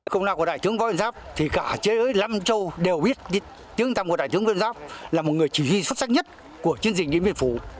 chúng tôi đều biết đại tướng võ nguyên giáp là một người chỉ huy xuất sắc nhất của chiến dịch điệm biên phủ